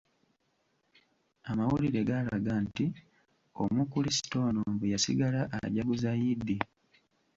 Amawulire gaalaga nti Omukulisitu ono mbu yasigala ajaguza Yidi!